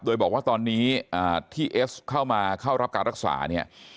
โดยบอกว่าตอนนี้ที่เอสเข้ามาเข้ารับการรักษาเนี่ย